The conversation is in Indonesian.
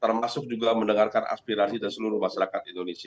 termasuk juga mendengarkan aspirasi dari seluruh masyarakat indonesia